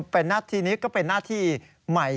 เป็นหน้าที่นี้ก็เป็นหน้าที่ใหม่